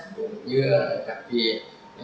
cũng như các việc